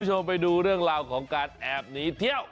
คุณผู้ชมไปดูเรื่องราวของการแอบหนีเที่ยว